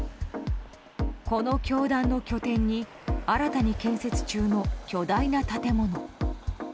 この教団の拠点に新たに建設中の巨大な建物。